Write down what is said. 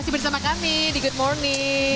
masih bersama kami di good morning